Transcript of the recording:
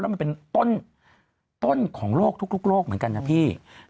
มันเป็นต้นของโลกทุกโลกเหมือนกันนะพี่